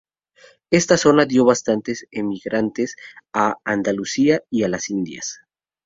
Esta zona dio bastantes emigrantes a Andalucía y a las Indias.